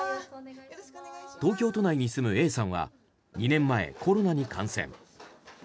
東京都内に住むＡさんは２年前、コロナに感染。